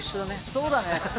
そうだね！